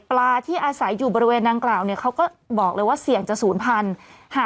ปลาที่อาศัยอยู่บริเวณดังกล่าวเนี่ยเขาก็บอกเลยว่าเสี่ยงจะศูนย์พันธุ์